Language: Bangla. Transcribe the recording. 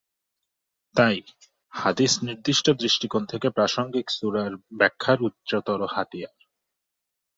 তাই, হাদিস নির্দিষ্ট দৃষ্টিকোণ থেকে প্রাসঙ্গিক সূরার ব্যাখ্যার উচ্চতর হাতিয়ার।